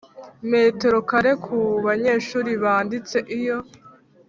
metero kare ku banyeshuri banditse Iyo